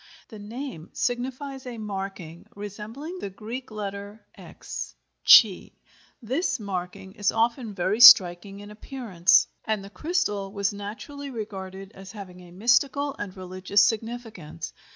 The name signifies a marking resembling the Greek letter Χ (chi). This marking is often very striking in appearance, and the crystal was naturally regarded as having a mystical and religious significance.